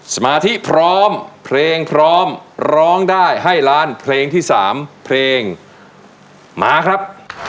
สมาธิพร้อมเพลงพร้อมร้องได้ให้ล้านเพลงที่๓เพลงมาครับ